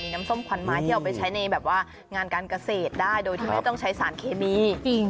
น้ำส้มควันไม้ที่เอาไปใช้ในแบบว่างานการเกษตรได้โดยที่ไม่ต้องใช้สารเคมีจริง